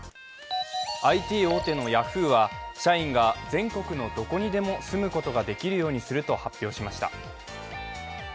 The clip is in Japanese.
ＩＴ大手のヤフーは社員が全国のどこにでも住むことができるようにすると発表しました。